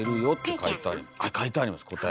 書いてあります答え。